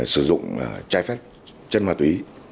sử dụng trái phép trên ma túy